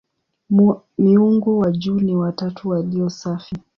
Miungu wa juu ni "watatu walio safi".